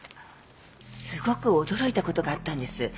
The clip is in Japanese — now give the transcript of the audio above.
すごく驚いたことがあったんです。